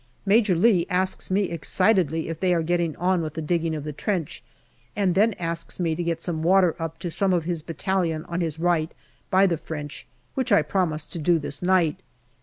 Major Lee asks me excitedly if they are getting on with the APRIL 53 digging of the trench, and then asks me to get some water up to some of his battalion on his right by the French, which I promise to do this night.